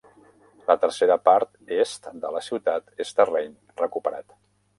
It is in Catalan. La tercera part est de la ciutat és terreny recuperat.